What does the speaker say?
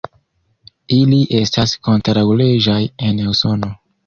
Ili estas kontraŭleĝaj en Usono.